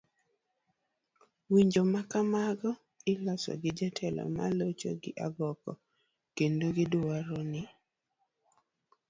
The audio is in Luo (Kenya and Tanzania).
lwenje ma kamago iloso gi jotelo ma locho gi agoko, kendo gidwaro ni